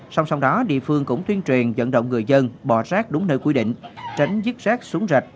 song song đó địa phương cũng tuyên truyền dẫn động người dân bỏ rác đúng nơi quy định tránh vứt rác xuống rạch